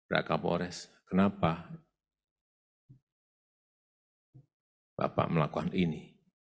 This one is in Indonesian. raka pores kenapa bapak melakukan ini